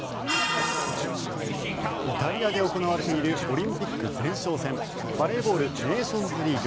イタリアで行われているオリンピック前哨戦バレーボールネーションズリーグ。